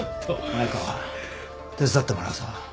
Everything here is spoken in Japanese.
前川手伝ってもらうぞ